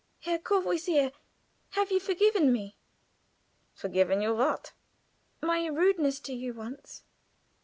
"Herr Courvoisier, have you forgiven me?" "Forgiven you what?" "My rudeness to you once."